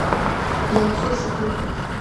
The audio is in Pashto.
یو څو شکلونه